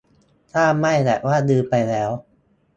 ถ้าไม่ แบบว่าลืมไปแล้ว